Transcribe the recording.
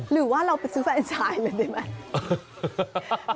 หรือว่าเราไปซื้อแฟนชายเลยได้ไหม